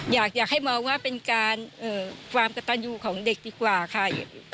อยากให้มองว่าเป็นการความกระตันยูของเด็กดีกว่าค่ะ